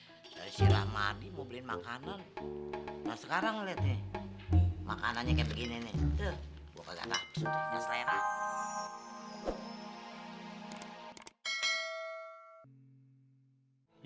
makanan sekarang lihat nih makannya begini